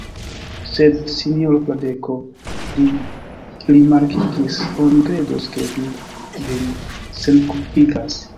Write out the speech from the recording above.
Sed sinjoro Fradeko, li rimarkigis, oni kredus, ke vi vin senkulpigas.